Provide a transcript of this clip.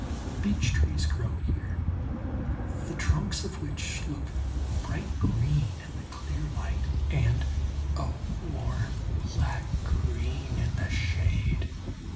Beech trees grow here, the trunks of which look bright green in the clear light and a warm black green in the shade.